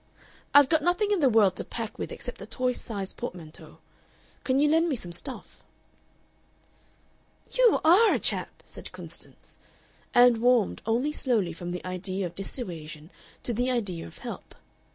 "I've got nothing in the world to pack with except a toy size portmanteau. Can you lend me some stuff?" "You ARE a chap!" said Constance, and warmed only slowly from the idea of dissuasion to the idea of help.